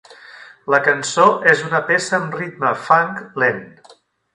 La cançó és una peça amb ritme funk lent.